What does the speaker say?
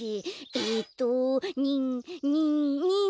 えっとにんにんにん。